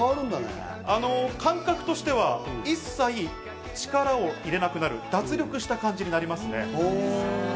感覚としては一切力を入れなくなる、脱力した感じになりますね。